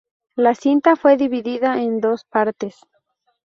La cinta fue dividida en dos partes.